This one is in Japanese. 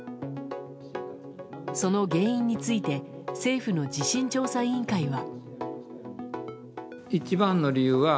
その原因について政府の地震調査委員会は。